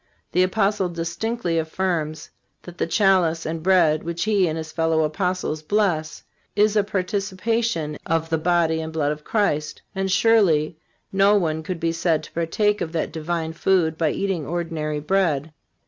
The Apostle distinctly affirms that the chalice and bread which he and his fellow Apostles bless is a participation of the body and blood of Christ. And surely no one could be said to partake of that divine food by eating ordinary bread.